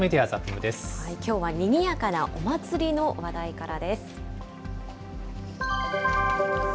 きょうはにぎやかなお祭りの話題からです。